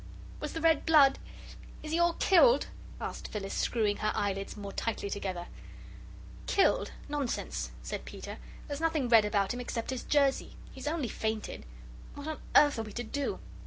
"Was the red, blood? Is he all killed?" asked Phyllis, screwing her eyelids more tightly together. "Killed? Nonsense!" said Peter. "There's nothing red about him except his jersey. He's only fainted. What on earth are we to do?"